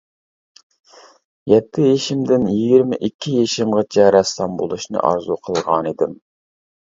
يەتتە يېشىمدىن يىگىرمە ئىككى يېشىمغىچە رەسسام بولۇشنى ئارزۇ قىلغانىدىم.